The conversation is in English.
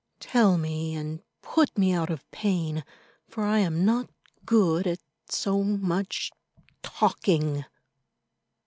Tell me, and put me out of pain, for I am not good at so much talking."